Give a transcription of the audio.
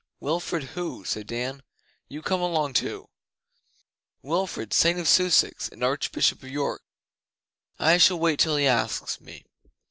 'Wilfrid who?' said Dan. 'You come along too.' 'Wilfrid Saint of Sussex, and Archbishop of York. I shall wait till he asks me.